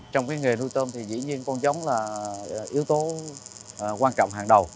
trong cái nghề nuôi tôm thì dĩ nhiên con giống là yếu tố quan trọng hàng đầu